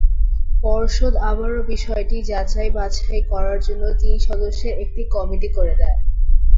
পর্ষদ আবারও বিষয়টি যাচাই-বাছাই করার জন্য তিন সদস্যের একটি কমিটি করে দেয়।